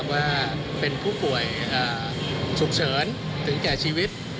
ว่าเป็นผู้ป่วยฉุกเฉินถึงแก่ชีวิต